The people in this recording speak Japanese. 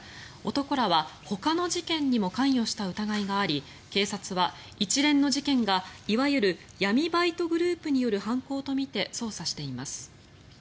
男らはほかの事件にも関与した疑いがあり警察は一連の事件がいわゆる闇バイトグループによる犯行とみて捜査しています。